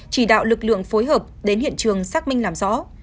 chỉ đạo lực lượng phối hợp đến hiện trường xác minh làm rõ